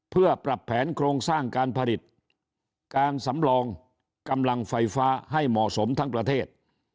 เพื่อปรับแผนโครงสร้างการผลิตการสำรองกำลังไฟฟ้าให้เหมาะสมทั้งประเทศ